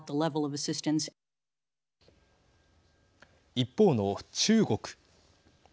一方の中国。